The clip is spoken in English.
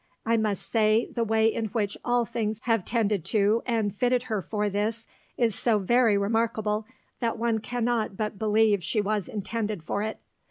I must say the way in which all things have tended to and fitted her for this is so very remarkable that one cannot but believe she was intended for it.